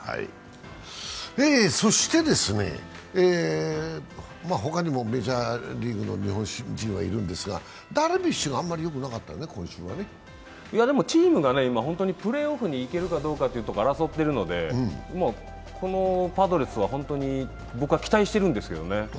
そして、他にもメジャーリーグの日本人いるんですが、ダルビッシュがあんまりよくなかったね、今週はね。チームが本当にプレーオフに行けるかどうかを争っているので、このパドレスは本当に期待しているんですけれどもね。